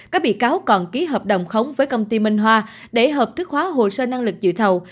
các bị cáo còn ký hợp đồng khống với công ty minh hoa để hợp thức hóa hồ sơ năng lực dự thầu